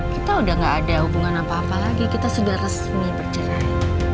kita udah gak ada hubungan apa apa lagi kita sudah resmi bercerai